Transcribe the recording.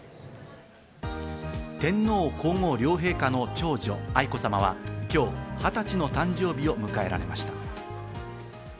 天皇皇后両陛下の長女・愛子さまは、今日２０歳の誕生日を迎えられました。